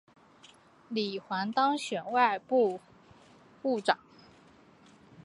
李璜当选为外务部长。